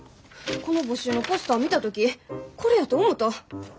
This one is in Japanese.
この募集のポスター見た時これやと思うた。